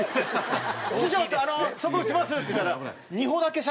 「師匠そこ打ちます」って言ったら。